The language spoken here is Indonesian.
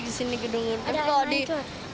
biasanya gedung gedung jadi di sini gedung